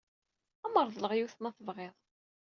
Ad am-reḍleɣ yiwet ma tebɣiḍ.